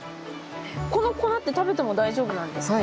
この粉って食べても大丈夫なんですか？